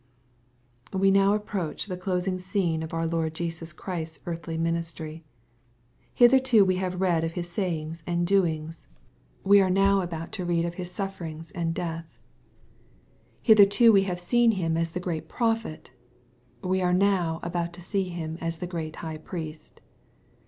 We now approach the closing scene of our Lord Jesus Christ's earthly ministry. Hitherto we have read of Hij sayings and doings : we are now about to read of Hi? 16* 346 SXP08IT0BT THOUGHTS. Bufferings and death. Hitherto we have seen him as the great Prophet : we are now about to see Him as the great High Priest.